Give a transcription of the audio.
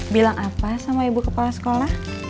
bilang apa sama ibu kepala sekolah